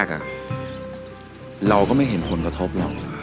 เราก็ไม่เห็นผลกระทบหรอก